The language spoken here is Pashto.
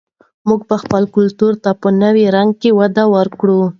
موږ به خپل کلتور ته په نوي رنګ کې وده ورکړو.